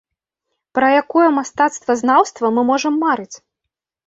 Пра якое мастацтвазнаўства мы можам марыць?